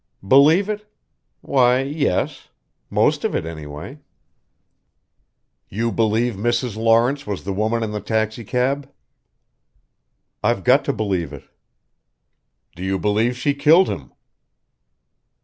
"Believe it? Why, yes. Most of it anyway." "You believe Mrs. Lawrence was the woman in the taxicab?" "I've got to believe it." "Do you believe she killed him?"